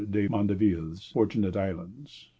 de Mandeville's Fortunate Islands.